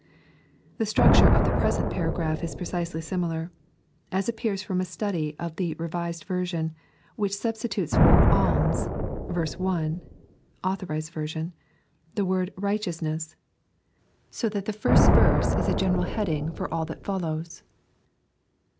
The structure of the present paragraph is precisely similar, ag appears from a study of the b.t., which sub stitutes for Abna (v 1, a.V.) the word Rtghteottmeas, so that the first verse is a general heading for all that follows.